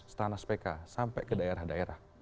stanas pk sampai ke daerah daerah